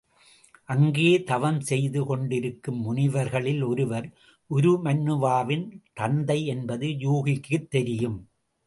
அங்கே தவம் செய்து கொண்டிருக்கும் முனிவர்களில் ஒருவர் உருமண்ணுவாவின் தந்தை என்பது யூகிக்குத் தெரியும்.